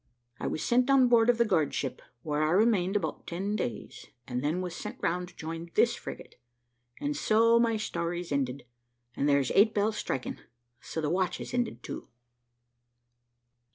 I was sent on board of the guardship, where I remained about ten days, and then was sent round to join this frigate and so my story's ended; and there's eight bells striking so the watch is ended too."